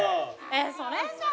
それじゃん！